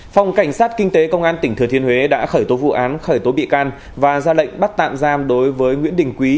phòng cảnh sát kinh tế công an tỉnh thừa thiên huế đã khởi tố vụ án khởi tố bị can và ra lệnh bắt tạm giam đối với nguyễn đình quý